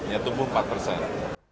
ya tumbuh empat persen